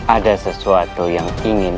ada sesuatu yang ingin